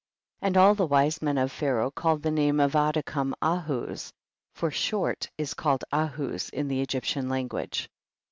5. And all the wise men of Pha raoh called the name of Adikam Ahuz, for i«hort is called Ahuz in the Egyptian language.